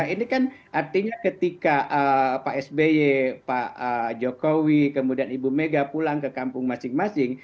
ini kan artinya ketika pak sby pak jokowi kemudian ibu mega pulang ke kampung masing masing